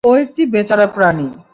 ও একটি বেচারা প্রাণী।